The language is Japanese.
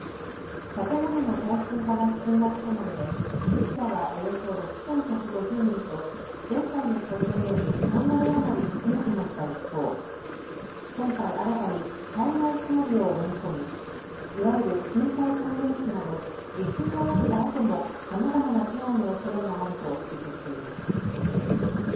建物の耐震化が進んだことなどで死者はおよそ６１５０人と前回の想定より３割余り少なくなった一方、今回、新たに災害シナリオを盛り込みいわゆる震災関連死など地震が起きたあともさまざまな被害のおそれがあると指摘しています。